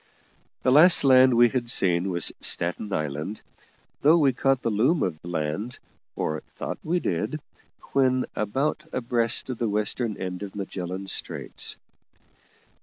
The last land we had seen was Staten Island, though we caught the loom of land, or thought we did, when about abreast of the western end of Magellan Straits.